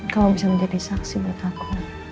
kau bisa menjadi saksi buat aku